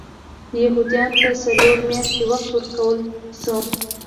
یهودیانو ته څلور میاشتې وخت ورکړل شو.